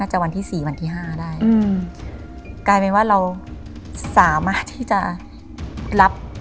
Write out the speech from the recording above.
จะวันที่สี่วันที่ห้าได้อืมกลายเป็นว่าเราสามารถที่จะรับ